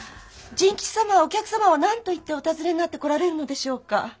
甚吉様はお客様をなんと言ってお訪ねになってこられるのでしょうか。